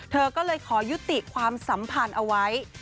เธอก็เลยขอยุติความสัมพันธ์เอาไว้